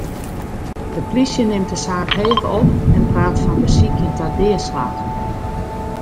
De plysje nimt de saak heech op en praat fan besykjen ta deaslach.